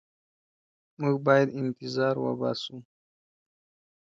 موږ باید انتظار وباسو.